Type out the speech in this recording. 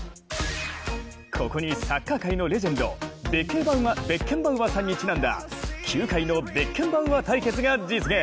ここにサッカー界のレジェンドベッケンバウアーさんにちなんだ球界のベッケンバウアー対決が実現。